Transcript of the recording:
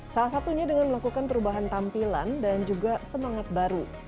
salah satunya dengan melakukan perubahan tampilan dan juga semangat baru